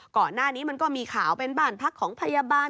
ก่อนหน้านี้มันก็มีข่าวเป็นบ้านพักของพยาบาล